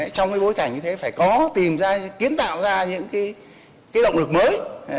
trong bối cảnh như thế phải kiến tạo ra những động lực mới